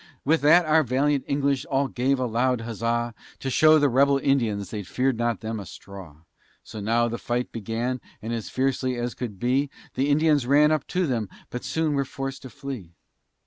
With that our valiant English all gave a loud huzza, To show the rebel Indians they fear'd them not a straw: So now the fight began, and as fiercely as could be, The Indians ran up to them, but soon were forced to flee.